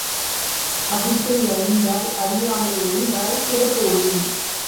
அவித்தை அழிந்தால், அறியாமை ஒழிந்தால், பிறப்பு ஒழியும்.